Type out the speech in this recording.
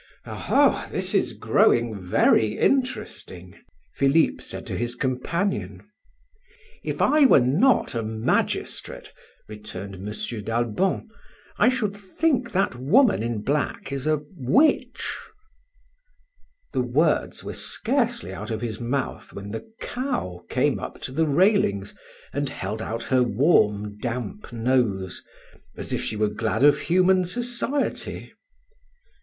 "Oho! all this is growing very interesting," Philip said to his companion. "If I were not a magistrate," returned M. d'Albon, "I should think that the woman in black is a witch." The words were scarcely out of his mouth when the cow came up to the railings and held out her warm damp nose, as if she were glad of human society.